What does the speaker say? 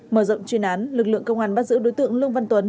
mở rộng chuyên án lực lượng công an bắt giữ đối tượng lương văn tuấn